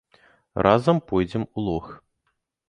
Разам пойдзем у лог.